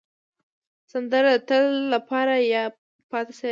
سندره د تل لپاره یاده پاتې شي